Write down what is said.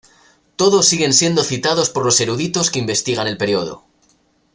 Todos siguen siendo citados por los eruditos que investigan el período.